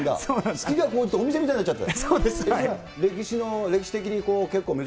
好きがこうじてお店みたいになっちゃって。